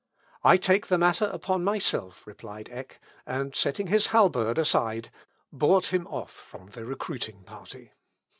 "I take the matter upon myself," replied Eck, and setting his halberd aside, bought him off from the recruiting party.